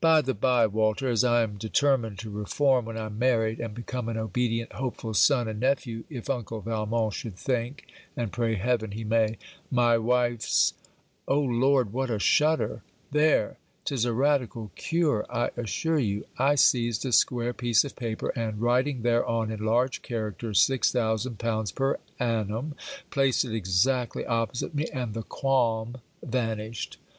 By the bye, Walter, as I am determined to reform when I'm married, and become an obedient hopeful son and nephew, if uncle Valmont should think (and pray heaven he may) my wife's Oh, lord, what a shudder! There! 'tis a radical cure, I assure you. I seized a square piece of paper; and, writing thereon in large characters 6000l. per annum, placed it exactly opposite me, and the qualm vanished.